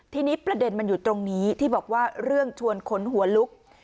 ทีนี้ประเด็นมันอยู่ตรงนี้ที่บอกว่าเรื่องชวนขนหัวลุก